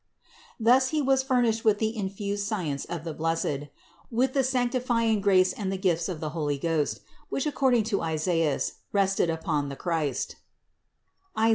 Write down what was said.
Thus He was furnished with the infused science of the blessed; with the sanctifying grace and the gifts of the Holy Ghost, which according to Isaias rested upon the Christ (Is.